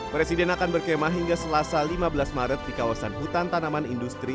presiden akan berkemah hingga selasa lima belas maret di kawasan hutan tanaman industri